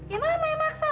ya mama yang maksa